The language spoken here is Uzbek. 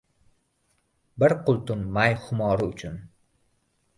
Bir qultum may xumori uchun